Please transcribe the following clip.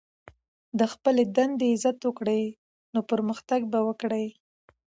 د خپلي دندې عزت وکړئ، نو پرمختګ به وکړئ!